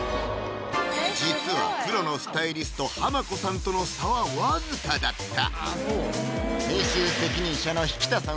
実はプロのスタイリストはま子さんとの差はわずかだった